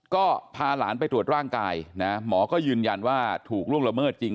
ก็พาหลานไปตรวจร่างกายนะหมอก็ยืนยันว่าถูกล่วงละเมิดจริง